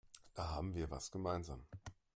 Da haben wir was gemeinsam.